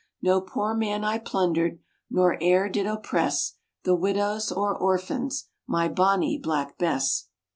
No poor man I plundered Nor e'er did oppress The widows or orphans, My Bonnie Black Bess.